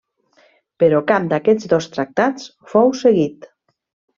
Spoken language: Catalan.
Però cap d'aquests dos tractats fou seguit.